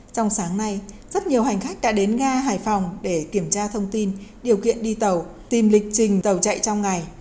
trong sáng nay rất nhiều hành khách đã đến ga hải phòng để kiểm tra thông tin điều kiện đi tàu tìm lịch trình tàu chạy trong ngày